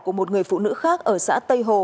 của một người phụ nữ khác ở xã tây hồ